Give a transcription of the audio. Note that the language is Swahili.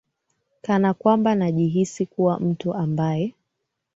kana kwamba najihisi kuwa mtu ambaye